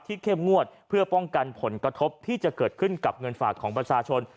เข้มงวดเพื่อป้องกันผลกระทบที่จะเกิดขึ้นกับเงินฝากของประชาชน